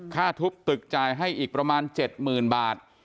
ค่าทุบตึกจ่ายให้อีกประมาณ๗๐๐บาท